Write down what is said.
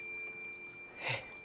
えっ？